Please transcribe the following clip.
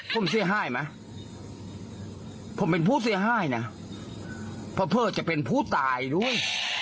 ผมเสียหายไหมผมเป็นผู้เสียหายนะเพราะเพิดจะเป็นผู้ตายด้วย